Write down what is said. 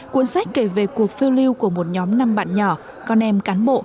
cuốn sách kể về cuộc phiêu lưu của một nhóm năm bạn nhỏ con em cán bộ